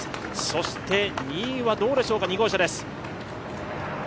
そして２位はどうでしょうか、２号車です。